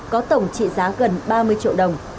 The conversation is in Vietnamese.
có tổng trị giá gần ba mươi triệu đồng